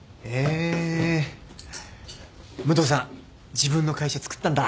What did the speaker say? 自分の会社つくったんだ